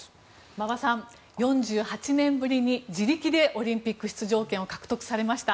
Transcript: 馬場さん、４８年ぶりに自力でオリンピック出場権を獲得されました。